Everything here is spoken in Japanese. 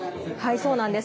そうなんです。